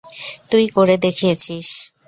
তুই করে দেখিয়েছিস।